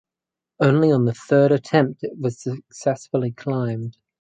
Only on the third attempt it was successfully climbed.